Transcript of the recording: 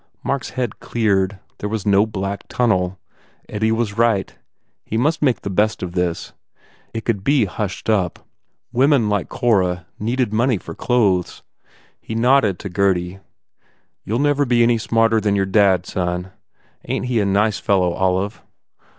Mark s head cleared. There was no black tunnel. Eddie was right. He must make the best of this. It could be hushed up. Women like Cora needed money for clothes. He nodded to Gurdy, "You ll never be any smarter than your dad, son. Ain t he a nice fellow, Olive?"